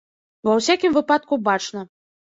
Ва ўсякім выпадку, бачна.